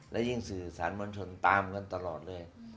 และยิ่งสื่อสารมวลชนตามกันตลอดเลย